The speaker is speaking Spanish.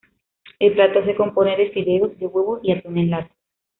El plato se compone de fideos de huevo y atún en lata.